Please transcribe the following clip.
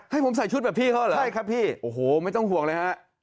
ให้ผมใส่ชุดแบบพี่เข้าหรือโอ้โฮไม่ต้องห่วงเลยฮะใช่ครับพี่